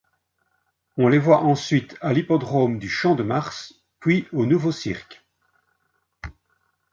On les voit ensuite à l'Hippodrome du Champ-de-Mars, puis au Nouveau Cirque.